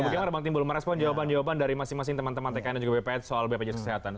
bagaimana bang timbul merespon jawaban jawaban dari masing masing teman teman tkn dan juga bpn soal bpjs kesehatan